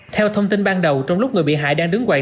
theo thông tin ban đầu trong lúc người bị hại đang đứng quậy